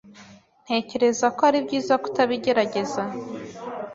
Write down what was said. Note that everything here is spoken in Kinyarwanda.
Ntekereza ko ari byiza kutabigerageza.